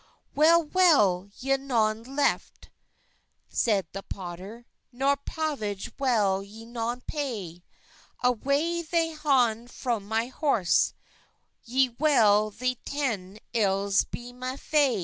"Well well y non leffe," seyde the potter, "Nor pavag well y non pay; Away they honde fro mey horse, Y well the tene eyls, be me fay."